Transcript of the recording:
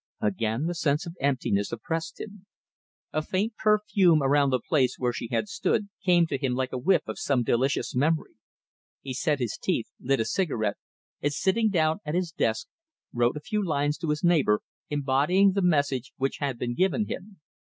Again the sense of emptiness oppressed him. A faint perfume around the place where she had stood came to him like a whiff of some delicious memory. He set his teeth, lit a cigarette, and sitting down at his desk wrote a few lines to his neighbour, embodying the message which had been given him.